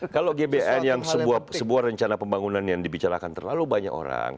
kalau gbn yang sebuah rencana pembangunan yang dibicarakan terlalu banyak orang